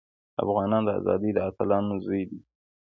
افغان د ازادۍ د اتلانو زوی دی.